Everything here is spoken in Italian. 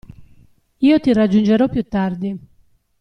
Io ti raggiungerò più tardi.